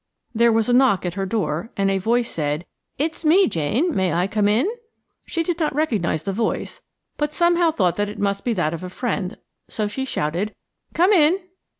There was a knock at her door, and a voice said, "It's me, Jane–may I come in?" She did not recognise the voice, but somehow thought that it must be that of a friend, so she shouted, "Come in!"